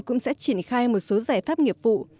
cũng sẽ triển khai một số giải pháp nghiệp vụ